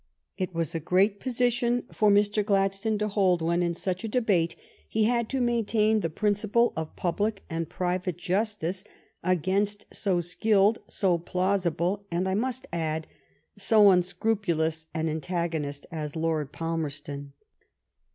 It was a great position for Mr. Gladstone to hold when in such a debate he had to maintain the principle of public and private justice against so skilled, so plausible, and, I must add, so unscrupulous an antagonist as Lord Palmerston.